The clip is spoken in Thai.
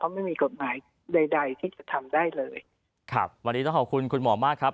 ไม่มีกฎหมายใดใดที่จะทำได้เลยครับวันนี้ต้องขอบคุณคุณหมอมากครับ